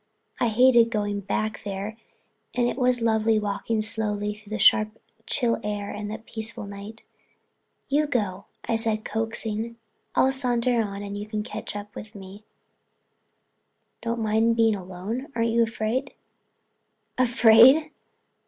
I hated going back there and it was lovely walking slowly along through the sharp chill air and the peaceful night. "You go," I said, coaxing. "I'll saunter on and you can catch me up." "Don't you mind being alone? Aren't you afraid?" "Afraid?"